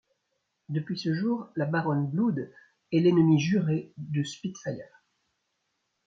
Depuis ce jour, la Baronne Blood est l'ennemie jurée de Spitfire.